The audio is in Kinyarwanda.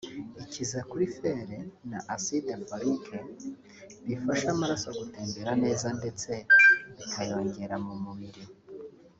Ikize kuri fer na acide folique bifasha amaraso gutembera neza ndete bikayongera mu mubiri